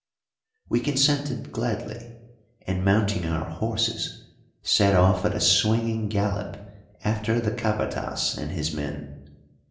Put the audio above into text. We consented gladly, and, mounting our horses, set off at a swinging gallop after the capatas and his men.